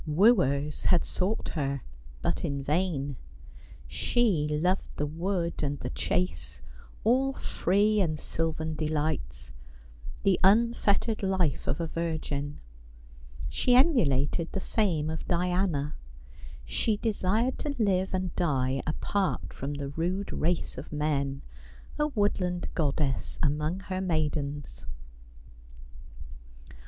Wooers had sought her, but in vain. She loved the wood and the chase, all free and sylvan delights — the unfettered life of a virgin. She emulated the fame of Diana. She desired to live and die apart from the rude race of men — a woodland goddess among her maidens.